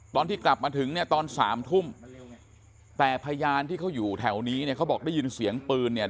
ตอนที่กลับมาถึงเนี่ยตอนสามทุ่มแต่พยานที่เขาอยู่แถวนี้เนี่ยเขาบอกได้ยินเสียงปืนเนี่ย